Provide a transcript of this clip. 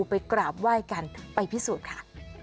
ไปกราบไหว้กันไปพิสูจน์ค่ะ